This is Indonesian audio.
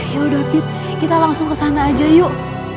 yaudah pip kita langsung kesana aja yuk